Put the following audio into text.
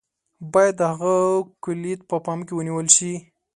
باید د هغه کُلیت په پام کې ونیول شي.